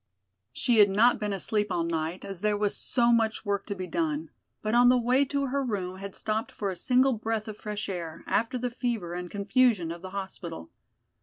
She had not been asleep all night, as there was so much work to be done, but on the way to her room had stopped for a single breath of fresh air, after the fever and confusion of the hospital.